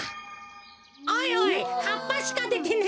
おいおいはっぱしかでてねえぞ。